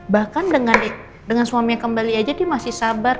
bahkan dengan suaminya kembali aja dia masih sabar